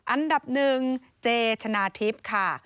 อันดับหนึ่งเจชนะทิพย์ค่ะ